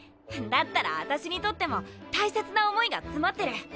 だったらアタシにとっても大切な思いが詰まってる。